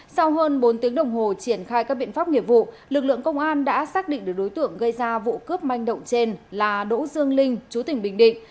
sau hơn bốn tiếng đồng hồ triển khai các biện pháp nghiệp vụ lực lượng công an đã xác định được đối tượng gây ra vụ cướp manh động trên là đỗ dương linh chú tỉnh bình định